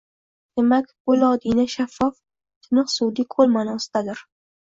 Demak, Ko‘liodina – «shaffof, tiniq suvli ko‘l» ma’nosidadir.